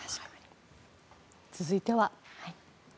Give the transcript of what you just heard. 続いては。